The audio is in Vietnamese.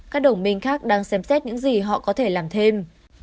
các đồng minh khác đang xem xét những gì họ có thể làm thêm